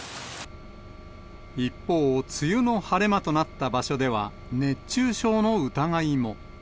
一方、梅雨の晴れ間となった場所では、熱中症の疑いも。